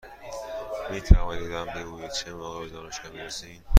می توانید به من بگویید چه موقع به دانشگاه می رسیم؟